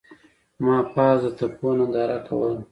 ما پاس د تپو ننداره کوله.